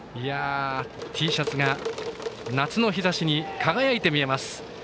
Ｔシャツが夏の日ざしに輝いて見えます。